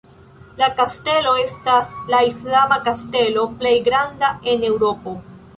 La Kastelo estas la islama kastelo plej granda en Eŭropo.